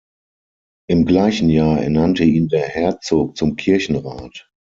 Im gleichen Jahr ernannte ihn der Herzog zum Kirchenrat.